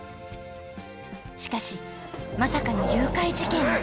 しかしまさかの誘拐事件に！